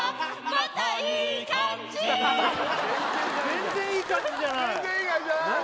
全然いい感じじゃない何